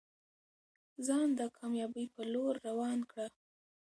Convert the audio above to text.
ځان د کامیابۍ په لور روان کړه.